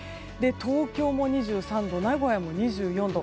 東京も２３度名古屋も２４度。